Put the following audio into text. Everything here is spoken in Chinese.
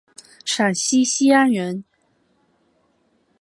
陕西西安人。